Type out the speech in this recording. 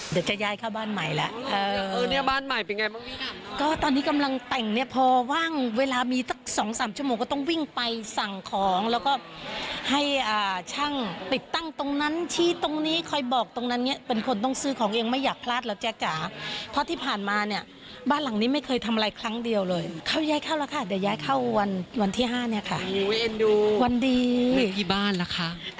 เดี๋ยวจะย้ายเข้าบ้านใหม่แล้วเออเนี้ยบ้านใหม่เป็นไงบ้างก็ตอนนี้กำลังแต่งเนี่ยพอว่างเวลามีสักสองสามชั่วโมงก็ต้องวิ่งไปสั่งของแล้วก็ให้ช่างติดตั้งตรงนั้นชี้ตรงนี้คอยบอกตรงนั้นเนี่ยเป็นคนต้องซื้อของเองไม่อยากพลาดแล้วแจ๊ะเพราะที่ผ่านมาเนี่ยบ้านหลังนี้ไม่เคยทำอะไรครั้งเดียวเลยเขาย้ายเข้าแล้วค่ะเดี๋ยวย้ายเข้าวันวันที่ห้าเนี่ยค่ะ